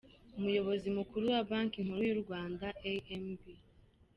Umuyobozi mukuru wa banki nkuru y’u Rwanda Amb.